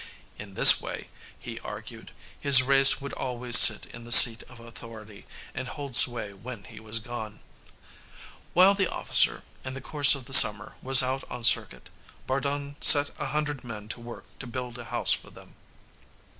In this way, he argued, his race would always sit in the seat of authority, and hold sway when he was gone. While the officer, in the course of the summer, was out on circuit, Bardun set a hundred men to work to build a house for them.